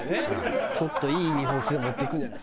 ちょっといい日本酒でも持っていくんじゃない？